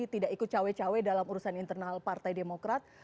tidak ikut cawe cawe dalam urusan internal partai demokrat